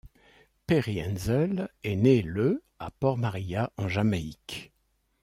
Perry Henzell est né le à Port Maria en Jamaïque.